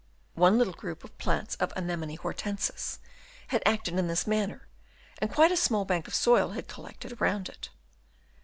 One little group of " plants of Anemone hortensis had acted in this " manner, and quite a small bank of soil had " collected round it.